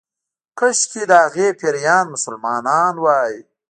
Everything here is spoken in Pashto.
کشکې د هغې پيريان مسلمان وای